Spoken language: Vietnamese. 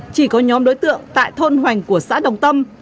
chỉ có nhóm đối tượng tại thôn hoành của xã đồng tâm